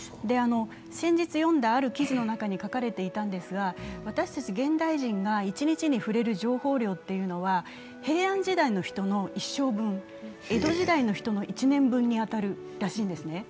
先日読んだある記事の中に書かれていたんですが、私たち現代人が一日に触れる情報量は平安時代の人の一生分、江戸時代の人の１年分に当たるらしいんですね。